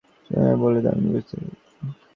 শচীশ বলিল, দামিনী, বুঝিতে পারিতেছ না?